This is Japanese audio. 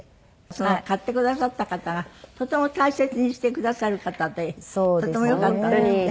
その買ってくださった方がとても大切にしてくださる方でとてもよかったんですって？